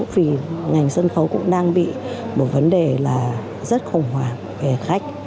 vì ngành sân khấu cũng đang bị một vấn đề là rất khủng hoảng về khách